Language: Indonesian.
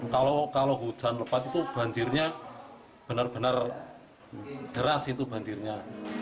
kalau hujan lebat itu banjirnya benar benar deras itu banjirnya